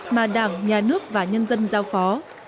mà đảng nhà nước và nhân dân giao phó